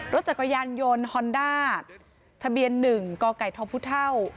รถจักรยานยนต์ฮอนด้าทะเบียน๑กไก่ทพเท่า